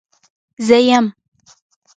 زه يم.